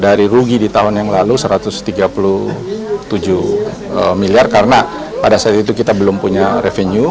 dari rugi di tahun yang lalu satu ratus tiga puluh tujuh miliar karena pada saat itu kita belum punya revenue